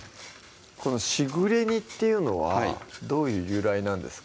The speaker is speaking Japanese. このしぐれ煮っていうのはどういう由来なんですか？